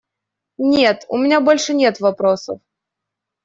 Нет, у меня больше нет вопросов.